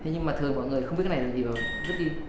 nhưng mà thường mọi người không biết cái này là gì và vứt đi